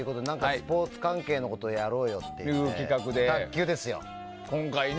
スポーツ関係のことをやろうということで卓球ですよ。